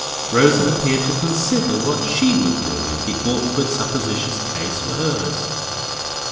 Rosa appeared to consider what she would do if the awkward supposititious case were hers.